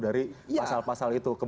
dari pasal pasal itu